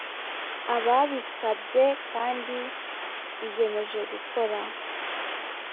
ababisabye kandi biyemeje gukora.